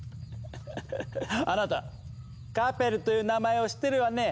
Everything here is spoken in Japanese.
フフフフあなた「カペル」という名前を知ってるわね？